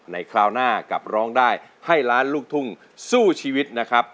คราวหน้ากับร้องได้ให้ล้านลูกทุ่งสู้ชีวิตนะครับ